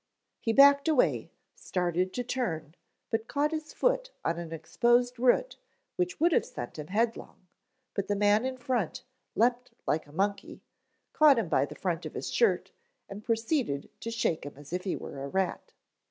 He backed away, started to turn, but caught his foot on an exposed root which would have sent him headlong, but the man in front leaped like a monkey, caught him by the front of his shirt, and proceeded to shake him as if he were a rat.